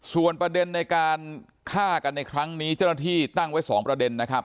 ส่วนประเด็นในการฆ่ากันในครั้งนี้เจ้าหน้าที่ตั้งไว้๒ประเด็นนะครับ